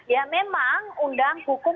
ya memang undang hukum